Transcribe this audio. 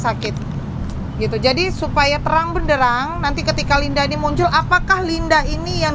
sakit gitu jadi supaya terang benderang nanti ketika linda ini muncul apakah linda ini yang